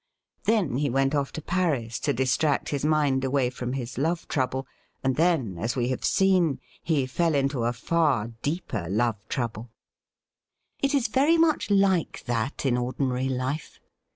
Then he went off^ to Paris to distract his mind away from his love trouble ; and then, as we have seen, he fell into a far deeper love trouble. It is very much like that in ordinary life.